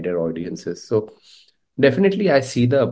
dan kemudian mendapatkan penonton yang lebih luas